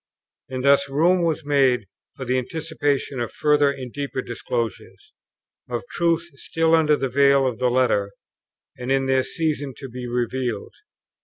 And thus room was made for the anticipation of further and deeper disclosures, of truths still under the veil of the letter, and in their season to be revealed.